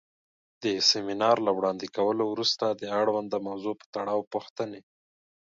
د سمینار له وړاندې کولو وروسته د اړونده موضوع پۀ تړاؤ پوښتنې